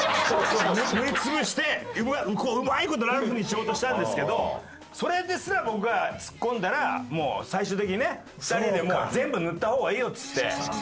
塗り潰してうまい事ラルフにしようとしたんですけどそれですら僕がツッコんだらもう最終的にね２人でもう全部塗った方がいいよっつって。